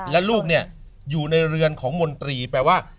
และลูกเนี่ยอยู่ในเรือนของมนตรีแปลว่า